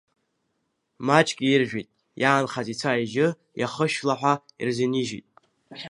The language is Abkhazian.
Маҷк ииржәит, иаанхаз ицәа-ижьы иахьышәшьла ҳәа ирзынижьит.